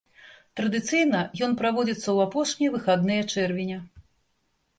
Традыцыйна ён праводзіцца ў апошнія выхадныя чэрвеня.